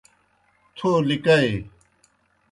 تھو لِکائے۔